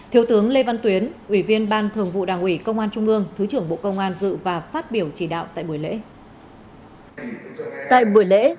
thiếu tướng lê văn tuyến ủy viên ban thường vụ đảng ủy công an trung ương thứ trưởng bộ công an dự và phát biểu chỉ đạo tại buổi lễ